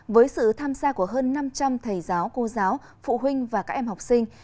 với sự tham gia của hơn năm trăm linh thầy giáo cô giáo phụ huynh và các em học sinh